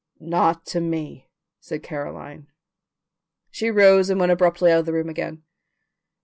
"Not to me," said Caroline. She rose, and went abruptly out of the room again.